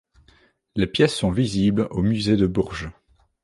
Les pièces sont visibles au musée de Bourges.